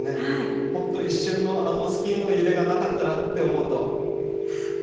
本当に一瞬のスキーの揺れがなかったらと思うと。